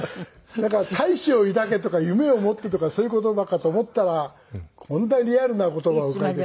だから大志を抱けとか夢を持ってとかそういう言葉かと思ったらこんなリアルな言葉を書いて。